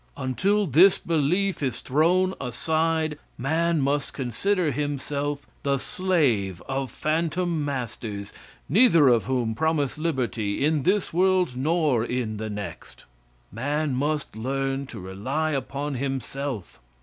Until this belief is thrown aside, man must consider himself the slave of phantom masters neither of whom promise liberty in this world nor in the next. Man must learn to rely upon himself.